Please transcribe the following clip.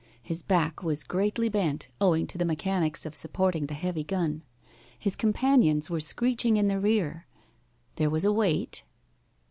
His back was greatly bent, owing to the mechanics of supporting the heavy gun. His companions were screeching in the rear. There was a wait.